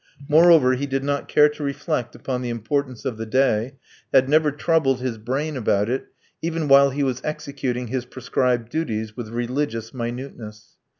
Moreover, he did not care to reflect upon the importance of the day, had never troubled his brain about it, even while he was executing his prescribed duties with religious minuteness.